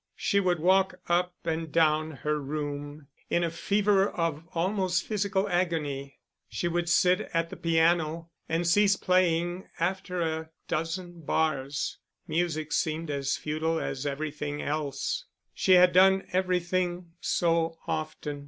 She would walk up and down her room in a fever of almost physical agony. She would sit at the piano, and cease playing after half a dozen bars music seemed as futile as everything else; she had done everything so often.